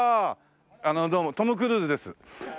あのどうもトム・クルーズです。